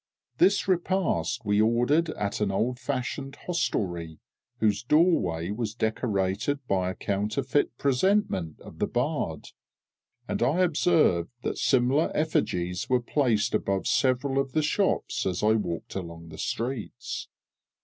This repast we ordered at an old fashioned hostelry, whose doorway was decorated by a counterfeit presentment of the Bard, and I observed that similar effigies were placed above several of the shops as I walked along the streets.